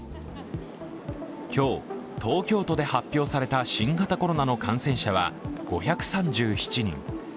今日、東京都で発表された新型コロナの感染者は５３７人。